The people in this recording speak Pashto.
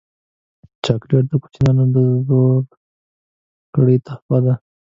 چاکلېټ د کوچنیانو د زوکړې تحفه ده.